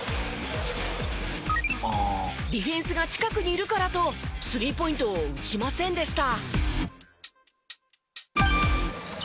ディフェンスが近くにいるからとスリーポイントを打ちませんでした。